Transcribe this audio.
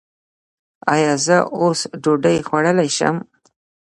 ایا زه اوس ډوډۍ خوړلی شم؟